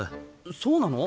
そうなの？